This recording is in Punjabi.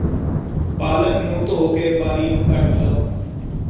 ਪਾਲਕ ਨੂੰ ਧੋ ਕੇ ਬਾਰੀਕ ਕੱਟ ਲਓ